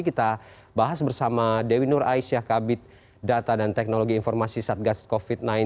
kita bahas bersama dewi nur aisyah kabit data dan teknologi informasi satgas covid sembilan belas